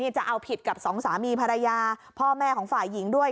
จะเอาผิดกับสองสามีภรรยาพ่อแม่ของฝ่ายหญิงด้วย